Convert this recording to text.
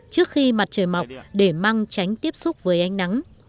trước khi mặt trời mọc để măng tránh tiếp xúc với ánh nắng